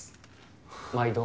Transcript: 毎度。